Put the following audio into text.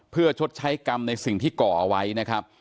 เพื่อชดใช้กรรมในสิ่งที่ก่อเอาไว้นะครับ